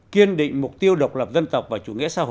kiên định mục tiêu độc lập dân tộc